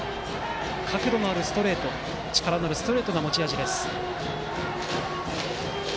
角度のあるストレート力のあるストレートが持ち味です。